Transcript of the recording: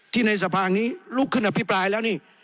ที่ในสะพางนี้ลุกขึ้นกับพี่ปลายแล้วนี่